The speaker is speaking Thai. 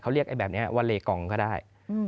เขาเรียกไอ้แบบนี้ว่าเลกองก็ได้